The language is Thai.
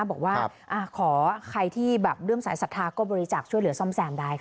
บอกว่าขอใครที่แบบเริ่มสายศรัทธาก็บริจาคช่วยเหลือซ่อมแซมได้ค่ะ